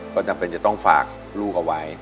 ก็จำเป็นจะต้องฝากลูกเอาไว้